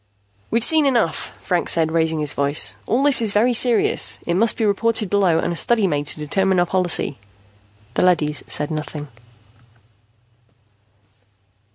"We've seen enough," Franks said, raising his voice. "All this is very serious. It must be reported below and a study made to determine our policy." The leady said nothing.